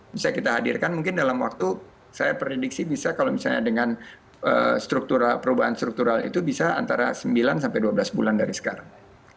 bisa kita hadirkan mungkin dalam waktu saya prediksi bisa kalau misalnya dengan perubahan struktural itu bisa antara sembilan sampai dua belas bulan dari sekarang